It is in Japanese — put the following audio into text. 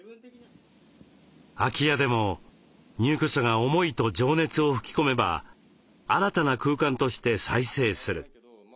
空き家でも入居者が思いと情熱を吹き込めば新たな空間として再生する。